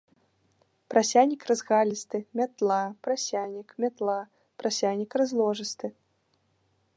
Прасянік разгалісты, мятла, прасянік, мятла, прасянік разложысты.